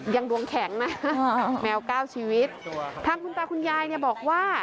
ดวงแข็งนะแมวเก้าชีวิตทางคุณตาคุณยายเนี่ยบอกว่า